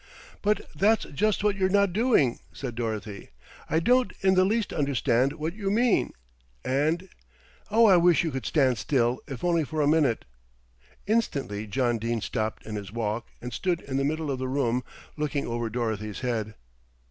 "But that's just what you're not doing," said Dorothy. "I don't in the least understand what you mean, and Oh, I wish you could stand still, if only for a minute." Instantly John Dene stopped in his walk, and stood in the middle of the room looking over Dorothy's head.